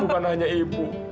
bukan hanya ibu